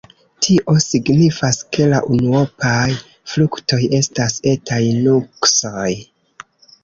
Tio signifas, ke la unuopaj fruktoj estas etaj nuksoj.